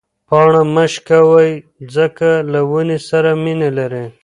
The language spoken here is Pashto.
پاڼه مه شکوئ ځکه له ونې سره مینه لري.